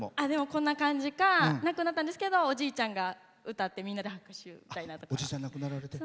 こんな感じか亡くなったんですけどおじいちゃんが歌ってみんなで聴いて。